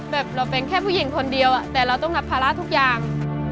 แบบเราเป็นแค่ผู้หญิงคนเดียวแต่เราต้องรับภาระทุกอย่าง